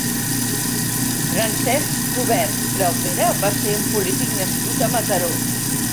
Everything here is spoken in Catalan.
Francesc Robert Graupera va ser un polític nascut a Mataró.